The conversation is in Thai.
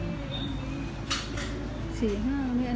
ถือ๑๓ตี๑๓ตี๑๓ตีเท่าไหร่